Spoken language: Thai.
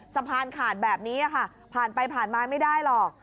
สะพานขาดแบบนี้ค่ะผ่านไปผ่านมาไม่ได้หรอก